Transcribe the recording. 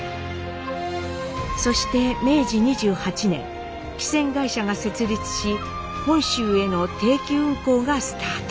そして明治２８年汽船会社が設立し本州への定期運航がスタート。